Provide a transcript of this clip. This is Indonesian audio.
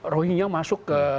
rohingya masuk ke